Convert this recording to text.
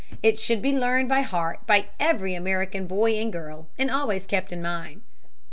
It should be learned by heart by every American boy and girl, and always kept in mind.